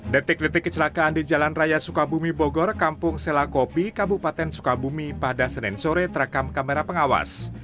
detik detik kecelakaan di jalan raya sukabumi bogor kampung selakopi kabupaten sukabumi pada senin sore terekam kamera pengawas